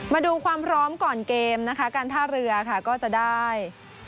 มาดูความพร้อมก่อนเกมนะคะการท่าเรือค่ะก็จะได้